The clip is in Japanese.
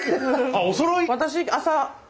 あおそろい？